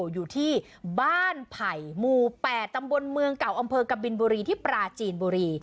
อยู่ที่บ้านไผ่หมู่๘ตำบลเมืองเก่าอำเภอกบินบุรีที่ปราจีนบุรี